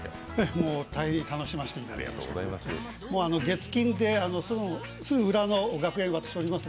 もう大変楽しませていただきました。